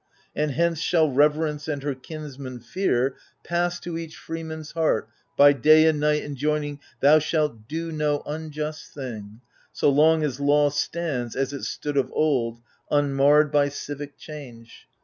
And hence shall Reverence and her kinsman Fear Pass to each free man's heart, by day and night Enjoining, TAou shalt do no unjust things So long as law stands as it stood of old Unmarred by civic change.